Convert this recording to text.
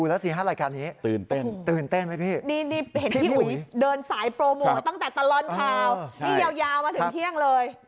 นี่ยาวมาถึงเที่ยงเลย